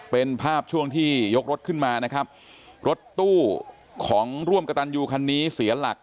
เป็นภาพช่วงที่ยกรถขึ้นมานะครับรถตู้ของร่วมกระตันยูคันนี้เสียหลัก